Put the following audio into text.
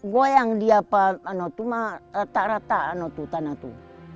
goyang dia apa itu rata rata itu tanah itu